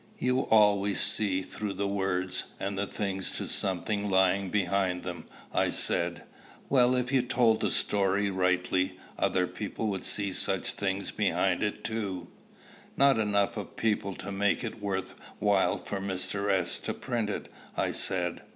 You always see through the words and the things to something lying behind them," I said. "Well, if you told the story rightly, other people would see such things behind it too." "Not enough of people to make it worth while for Mr. S. to print it," I said.